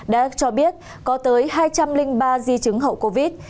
đã cho biết có tới hai trăm linh ba di chứng hậu covid